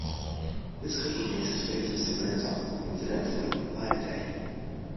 This cookie makes its way to Mr. Burns on, coincidentally, Flag Day.